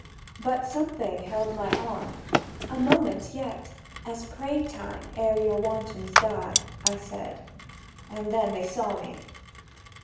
But something held my arm. "A moment yet As pray time ere you wantons die!" I said; And then they saw me.